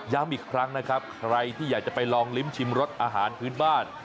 อีกครั้งนะครับใครที่อยากจะไปลองลิ้มชิมรสอาหารพื้นบ้าน